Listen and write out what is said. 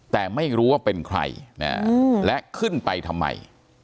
แต่ไม่รู้ว่าเป็นใครและขึ้นไปทำไม